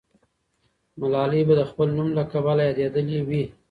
ملالۍ به د خپل نوم له کبله یادېدلې وي.